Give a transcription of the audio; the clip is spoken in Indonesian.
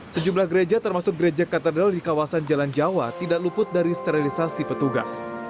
sejumlah gereja termasuk gereja katedral di kawasan jalan jawa tidak luput dari sterilisasi petugas